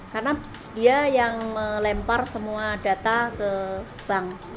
karena dia yang melempar semua data ke bank